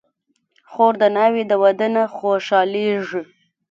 خور د ناوې د واده نه خوشحالېږي.